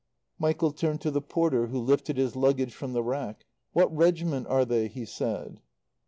Michael turned to the porter who lifted his luggage from the rack. "What regiment are they?" he said.